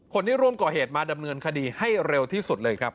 คนที่ร่วมก่อเหตุมาดำเนินคดีให้เร็วที่สุดเลยครับ